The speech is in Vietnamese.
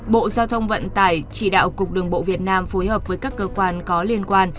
bộ giao thông vận tải chỉ đạo cục đường bộ việt nam phối hợp với các cơ quan có liên quan